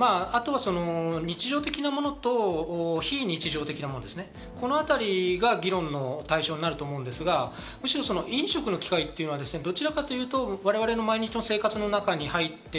あとは日常的なものと、非日常的なもの、このあたりが議論の対象になると思うんですが、むしろ飲食の機会というのは、どちらかというと我々の毎日の生活の中に入っている。